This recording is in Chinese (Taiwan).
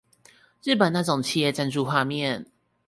日本那種企業贊助畫面